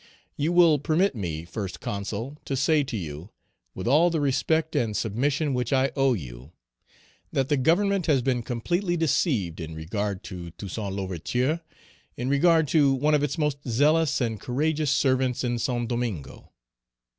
You will permit me, First Consul, to say to you, with all the respect and submission which I owe you, that the Government has been completely deceived in regard to Toussaint L'Ouverture, in regard to one of its most zealous and courageous servants in Saint Domingo.